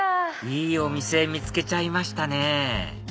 いいお店見つけちゃいましたね